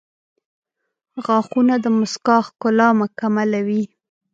• غاښونه د مسکا ښکلا مکملوي.